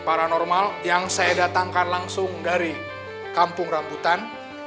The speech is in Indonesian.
paranormal yang saya datangkan langsung dari kampung rambutan